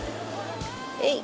えい！